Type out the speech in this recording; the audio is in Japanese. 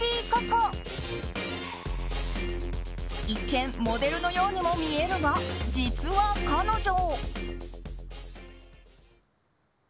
一見、モデルのようにも見えるが実は彼女。